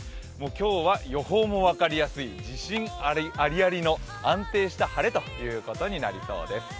今日は予報も分かりやすい自信アリアリの安定した晴れということになりそうです。